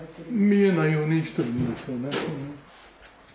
見えないようにしてるんですよね。